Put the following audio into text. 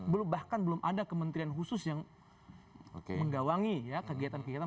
bahkan belum ada kementerian khusus yang menggawangi kegiatan kegiatan